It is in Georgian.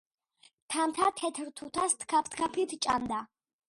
თამთა თეთრ თუთას თქაფთქაფით ჭამდა